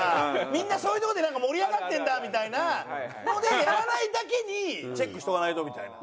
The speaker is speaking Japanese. みんなそういうとこでなんか盛り上がってるんだみたいなのでやらないだけにチェックしとかないとみたいな。